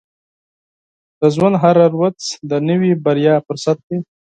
• د ژوند هره ورځ د نوې بریا فرصت دی.